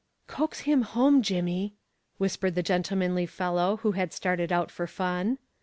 "Coax him home, Jimmie," whispered the gentlemanly fellow who had started out for fun.